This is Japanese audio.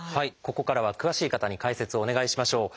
ここからは詳しい方に解説をお願いしましょう。